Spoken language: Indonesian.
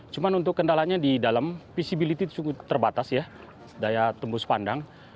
cuma untuk kendalanya di dalam visibility sungguh terbatas ya daya tembus pandang